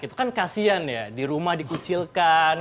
itu kan kasian ya di rumah dikucilkan